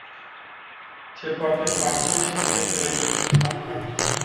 Ce poate face și ce trebuie să facă?